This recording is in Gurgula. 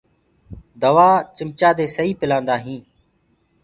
دوآ چمچآ دي سئي پلآندآ هينٚ۔